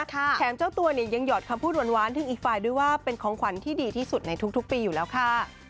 แถมเจ้าตัวเนี่ยยังหอดคำพูดหวานถึงอีกฝ่ายด้วยว่าเป็นของขวัญที่ดีที่สุดในทุกปีอยู่แล้วค่ะ